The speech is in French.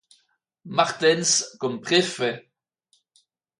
Martens comme préfet.